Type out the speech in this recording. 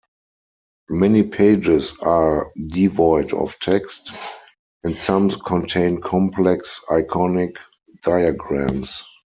Many pages are devoid of text, and some contain complex iconic diagrams.